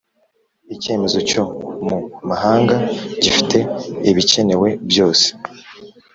icyemezo cyo mu mahanga gifite ibikenewe byose